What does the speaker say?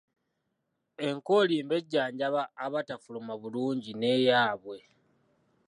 Enkoolimbo ejanjjaba abatafuluma bulungi n'eyaabwe.